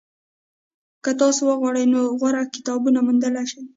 که تاسو وغواړئ نو غوره کتابونه موندلی شئ.